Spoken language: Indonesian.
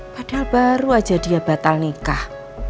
padahal baru aja dia batal nikah